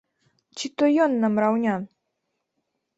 Ці то ён нам раўня?